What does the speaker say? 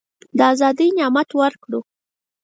د آزادی نعمت ورکړو.